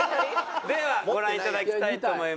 ではご覧いただきたいと思います。